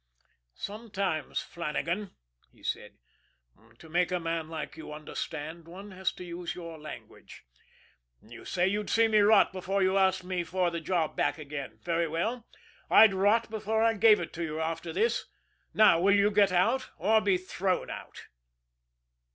"Sometimes, Flannagan," he said, "to make a man like you understand one has to use your language. You say you'd see me rot before you asked me for the job back again very well. I'd rot before I gave it to you after this. Now, will you get out or be thrown out?"